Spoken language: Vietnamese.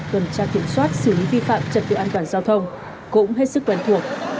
tuần tra kiểm soát xử lý vi phạm trật tự an toàn giao thông cũng hết sức quen thuộc